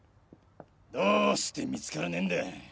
どうして見つからねんだ。